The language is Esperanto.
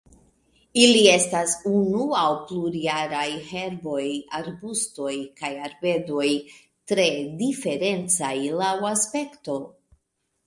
Ili estas unu aŭ plurjaraj herboj, arbustoj kaj arbedoj tre diferencaj laŭ aspekto.